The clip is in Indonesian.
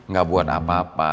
gak buat apa apa